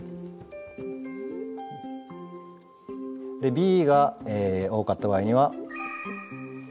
Ｂが多かった場合には。